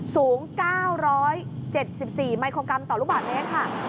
สูง๙๗๔ไมโครกรัมต่อลูกบาทเลยครับ